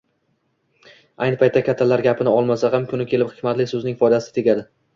Ayni paytda kattalar gapini olmasa ham, kuni kelib, hikmatli so‘zning foydasi tegadi.